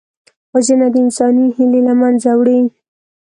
وژنه د انساني هیلې له منځه وړي